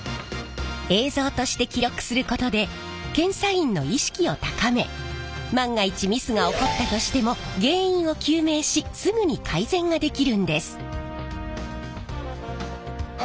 映像として記録することで検査員の意識を高め万が一ミスが起こったとしても原因を究明しすぐに改善ができるんです。